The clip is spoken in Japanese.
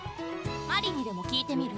鞠莉にでも聞いてみる？